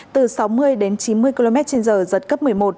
từ sáu mươi đến chín mươi km trên giờ giật cấp một mươi một